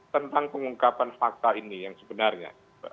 tentang pengungkapan fakta ini yang sebenarnya